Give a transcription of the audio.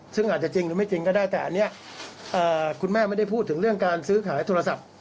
ซึ่งอาจจะจริงหรือไม่จริงก็ได้แต่อันนี้คุณแม่ไม่ได้พูดถึงเรื่องการซื้อขายโทรศัพท์